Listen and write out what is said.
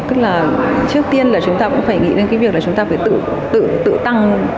tức là trước tiên là chúng ta cũng phải nghĩ đến cái việc là chúng ta phải tự tăng